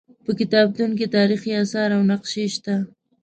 په کتابتون کې تاریخي اثار او نقشې شته.